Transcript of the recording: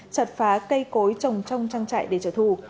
chặt phá cây cối trồng trong trang trại để trợ thù